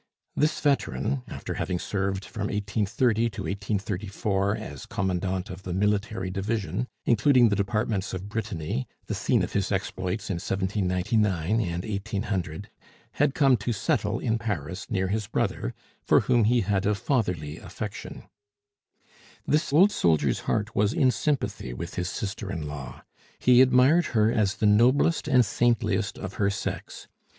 This veteran, after having served from 1830 to 1834 as Commandant of the military division, including the departments of Brittany, the scene of his exploits in 1799 and 1800, had come to settle in Paris near his brother, for whom he had a fatherly affection. This old soldier's heart was in sympathy with his sister in law; he admired her as the noblest and saintliest of her sex.